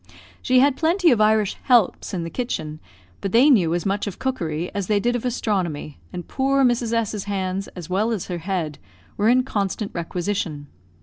She had plenty of Irish "helps" in the kitchen; but they knew as much of cookery as they did of astronomy, and poor Mrs. S 's hands, as well as her head, were in constant requisition.